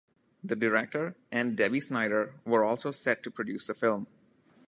The director and Debbie Snyder were also set to produce the film.